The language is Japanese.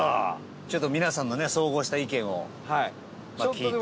ちょっと、皆さんのね総合した意見を聞いて。